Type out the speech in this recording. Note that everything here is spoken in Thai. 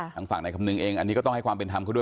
ทางฝั่งในคำนึงเองอันนี้ก็ต้องให้ความเป็นธรรมเขาด้วย